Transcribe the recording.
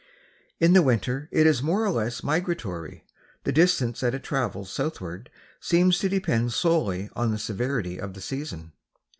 In the winter it is more or less migratory, the distance that it travels southward seeming to depend solely on the severity of the season.